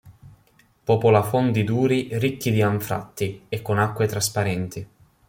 Popola fondi duri ricchi di anfratti e con acque trasparenti.